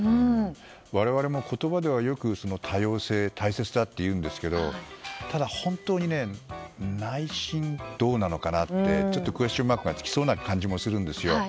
我々も言葉ではよく多様性大切だというんですがただ、本当に内心、どうなのかなってちょっとクエスチョンマークがつきそうな感じもするんですよ。